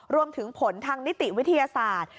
รวมถึงผลทางนิติวิทยาศาสตร์